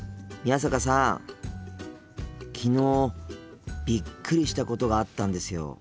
昨日びっくりしたことがあったんですよ。